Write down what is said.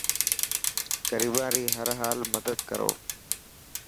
غريبان ري هر حال مدد ڪرو.